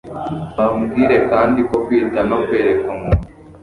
Babwire kandi ko kwita no kwereka umuntu